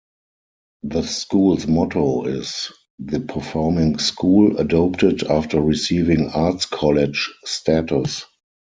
The school's motto is "The Performing School", adopted after receiving Arts College status.